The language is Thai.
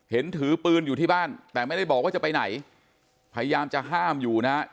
ถือปืนอยู่ที่บ้านแต่ไม่ได้บอกว่าจะไปไหนพยายามจะห้ามอยู่นะฮะ